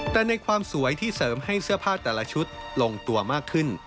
แต่ในความสวยที่เสริมให้เสื้อผ้าแต่ละชุดลงตัวมากขึ้น